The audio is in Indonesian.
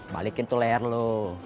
balikin tuh leher lo